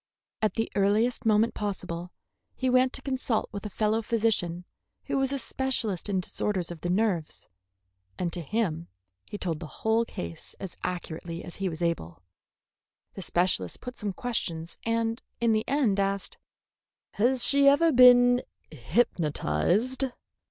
At the earliest moment possible he went to consult with a fellow physician who was a specialist in disorders of the nerves, and to him he told the whole case as accurately as he was able. The specialist put some questions and in the end asked: "Has she ever been hypnotized?"